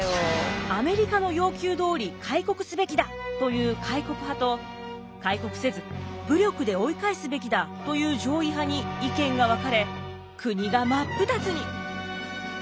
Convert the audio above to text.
アメリカの要求どおり開国すべきだという開国派と開国せず武力で追い返すべきだという攘夷派に意見が分かれ国が真っ二つに。